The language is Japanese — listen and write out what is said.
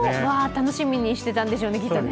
楽しみにしてたんでしょうねきっとね。